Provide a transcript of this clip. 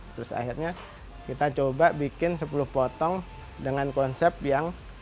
terus akhirnya kita coba bikin sepuluh potong dengan konsep yang